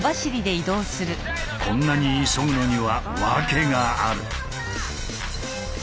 こんなに急ぐのには訳がある。